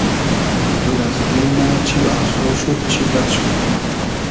دور از دیل مۂ چی آسۉ شود چی بئد شود